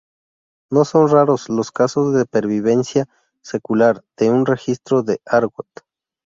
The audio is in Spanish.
No son raros los casos de pervivencia secular de un registro de argot.